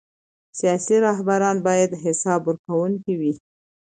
سیاسي رهبران باید حساب ورکوونکي وي